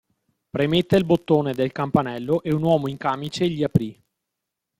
Premette il bottone del campanello e un uomo in camice gli aprì.